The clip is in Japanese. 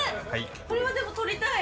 これはでも撮りたい。